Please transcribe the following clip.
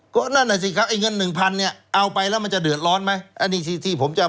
ก็นั่นน่ะสิครับไอ้เงินหนึ่งพันเนี่ยเอาไปแล้วมันจะเดือดร้อนไหมอันนี้สิที่ผมจะ